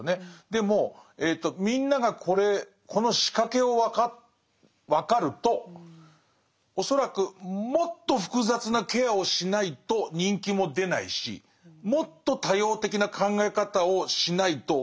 でもえとみんながこの仕掛けを分かると恐らくもっと複雑なケアをしないと人気も出ないしもっと多様的な考え方をしないと嫌われるようになると思うんです。